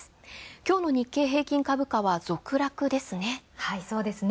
今日の日経平均株価は続落ですね。